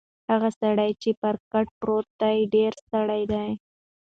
هغه سړی چې پر کټ پروت دی ډېر ستړی دی.